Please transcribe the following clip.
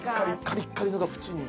カリカリのが縁に。